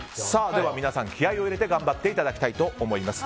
では、皆さん気合を入れて頑張っていただきたいと思います。